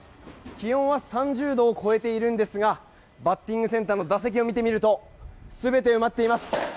気温は３０度を超えているんですがバッティングセンターの打席を見てみると全て埋まっています。